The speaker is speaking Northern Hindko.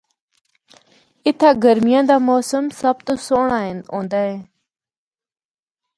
اِتھا گرمیاں دا موسم سب تو سہنڑا ہوندا اے۔